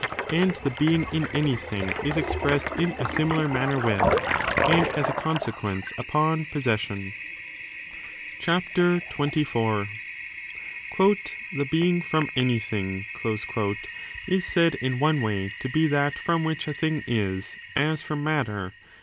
And the being in anything is expressed in a similar manner with, and as a consequence upon, possession. CHAPTER XXIV. 1. The phrase, " Th® being from anything" is said in one way r6 that iK to be that from which a thing is as from matter; ed ; first!